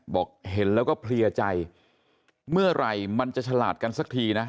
บอกเห็นแล้วก็เพลียใจเมื่อไหร่มันจะฉลาดกันสักทีนะ